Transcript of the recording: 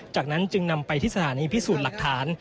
จากนั้นจึงนำไปที่สถานีพิสูจน์หลักฐาน